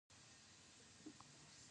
ازادي راډیو د اداري فساد پرمختګ سنجولی.